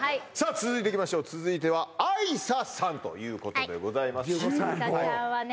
続いていきましょう続いてはあいささんということではいあいさちゃんはね